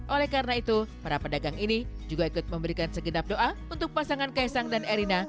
oleh karena itu para pedagang ini juga ikut memberikan segenap doa untuk pasangan kaisang dan erina